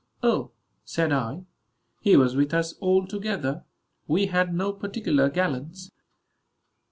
"O," said I, "he was with us all together. We had no particular gallants."